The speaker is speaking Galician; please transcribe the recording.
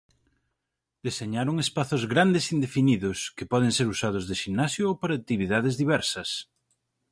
Deseñaron espazos grandes indefinidos que poden ser usados de ximnasio ou para actividades diversas.